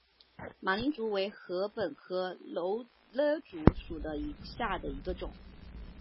马岭竹为禾本科簕竹属下的一个种。